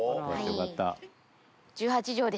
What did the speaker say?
よかった。